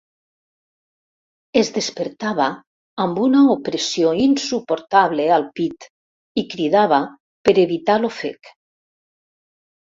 Es despertava amb una opressió insuportable al pit i cridava per evitar l'ofec.